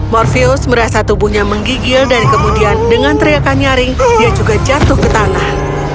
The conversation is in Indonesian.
morvius merasa tubuhnya menggigil dan kemudian dengan teriakan nyaring dia juga jatuh ke tanah